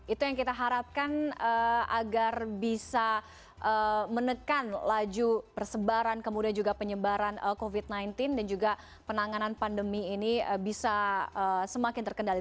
itu yang kita harapkan agar bisa menekan laju persebaran kemudian juga penyebaran covid sembilan belas dan juga penanganan pandemi ini bisa semakin terkendali